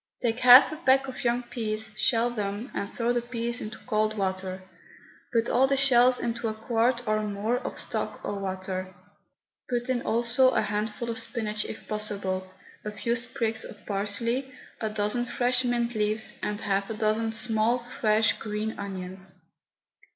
Take half a peck of young peas, shell them, and throw the peas into cold water. Put all the shells into a quart or more of stock or water. Put in also a handful of spinach if possible, a few sprigs of parsley, a dozen fresh mint leaves and half a dozen small, fresh, green onions.